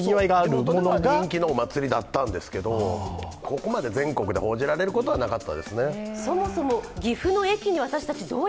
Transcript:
もともと人気のお祭りだったんですけど、ここまで全国で報じられることはなかったですね。